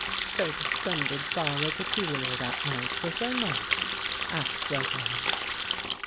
"There was a splendid ball at the Tuileries that night, was there not?" asked Flocon.